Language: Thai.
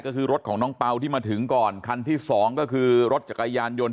ก็คือรถของน้องเปล่าที่มาถึงก่อนคันที่สองก็คือรถจักรยานยนต